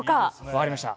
分かりました。